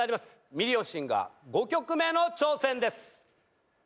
『ミリオンシンガー』５曲目の挑戦です。